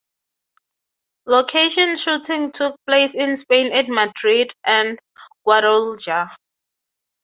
Location shooting took place in Spain at Madrid and Guadalajara